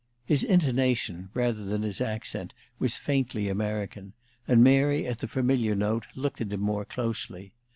His intonation, rather than his accent, was faintly American, and Mary, at the familiar note, looked at him more closely.